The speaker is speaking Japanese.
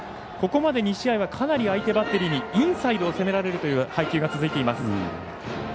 ここまで２試合はかなり相手バッテリーにインサイドを攻められるという配球が続いています。